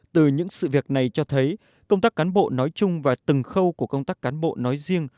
từ những sự việc này cho thấy công tác cán bộ nói chung và từng khâu của công tác cán bộ nói riêng